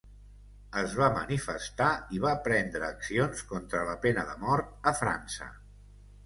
Es va manifestar i va prendre accions contra la pena de mort a França.